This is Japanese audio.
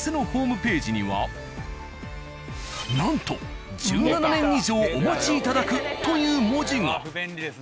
なんと「１７年以上お待ち頂く」という文字が。